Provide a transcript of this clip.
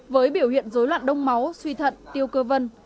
với biểu hiện dối loạn đông máu suy thận tiêu cơ vân